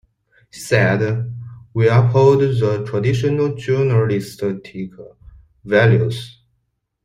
She said: We uphold the traditional journalistic values.